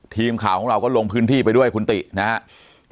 ทีมข่าวของเราก็ลงพื้นที่ไปด้วยคุณตินะครับ